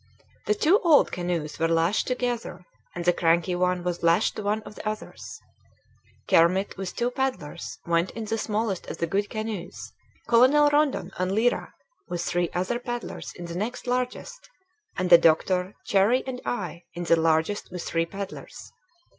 The two old canoes were lashed together, and the cranky one was lashed to one of the others. Kermit with two paddlers went in the smallest of the good canoes; Colonel Rondon and Lyra with three other paddlers in the next largest; and the doctor, Cherrie, and I in the largest with three paddlers.